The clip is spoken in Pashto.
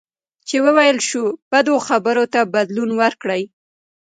چې ویل شوو بدو خبرو ته بدلون ورکړئ.